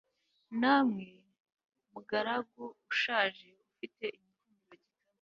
Namwe mugaragu ushaje ufite igikundiro gikaze